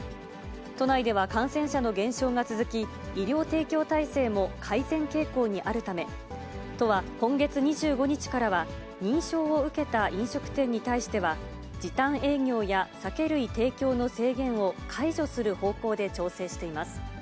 都内では感染者の減少が続き、医療提供体制も改善傾向にあるため、都は今月２５日からは認証を受けた飲食店に対しては、時短営業や酒類提供の制限を解除する方向で調整しています。